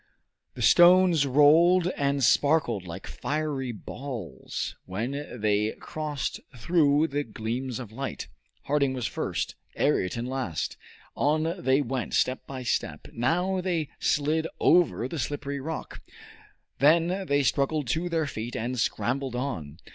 The stones rolled and sparkled like fiery balls when they crossed through the gleams of light. Harding was first Ayrton last. On they went, step by step. Now they slid over the slippery rock; then they struggled to their feet and scrambled on.